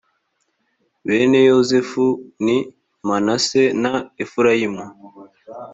bene yozefu ni manase na efurayimu.